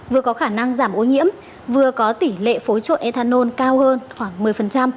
vừa có khả năng giảm ô nhiễm vừa có tỷ lệ phối trộn ethanol cao hơn khoảng một mươi